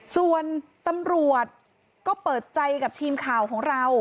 ส่วนตำรวจก็เปิดใจกับทีมข่าวของเรา